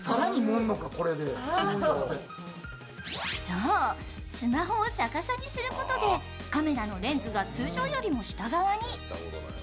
そう、スマホを逆さにすることでカメラのレンズが通常よりも下側に。